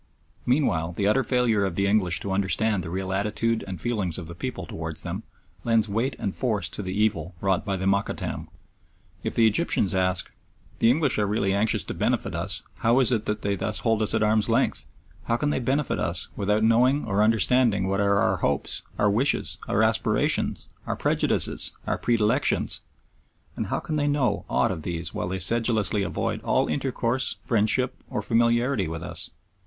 Meanwhile the utter failure of the English to understand the real attitude and feelings of the people towards them lends weight and force to the evil wrought by the Mokattam. If, the Egyptians ask, the English are really anxious to benefit us, how is it that they thus hold us at arm's length? How can they benefit us without knowing or understanding what are our hopes, our wishes, our aspirations, our prejudices, our predilections? And how can they know aught of these while they sedulously avoid all intercourse, friendship, or familiarity with us?